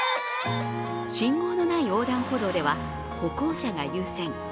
信号のない横断歩道では歩行者が優先。